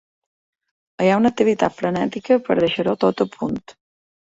Hi ha una activitat frenètica per a deixar-ho tot a punt.